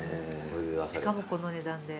しかもこの値段で。